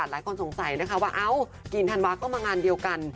หลายคนสงสัยนะคะว่าเอ้ากินธันวาก็มางานเดียวกัน